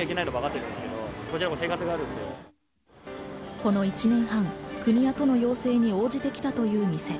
この１年半、国や都の要請に応じてきたという店。